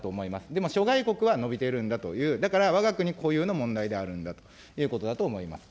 でも諸外国は伸びてるんだという、だからわが国固有の問題であるんだということだと思います。